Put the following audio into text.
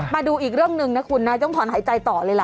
มาดูอีกเรื่องหนึ่งนะคุณนะต้องถอนหายใจต่อเลยล่ะ